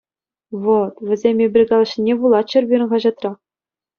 Вӑт, вӗсем эпир калаҫнине вулаччӑр пирӗн хаҫатра.